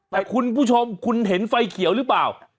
แต่คุณผู้ชมคุณเห็นไฟเขียวหรือเปล่า